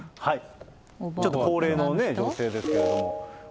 ちょっと高齢の女性ですけれども。